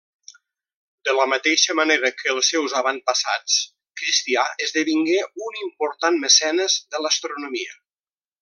De la mateixa manera que els seus avantpassats, Cristià esdevingué un important mecenes de l'astronomia.